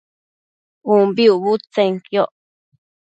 ubi ucbudtsenquioc